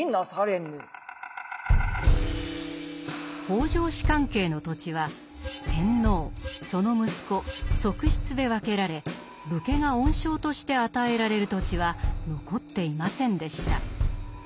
北条氏関係の土地は天皇その息子側室で分けられ武家が恩賞として与えられる土地は残っていませんでした。